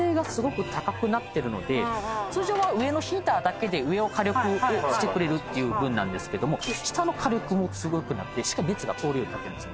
通常は上のヒーターだけで上を火力をしてくれるっていう分なんですけども下の火力も強くなってしかも熱が通るようになって。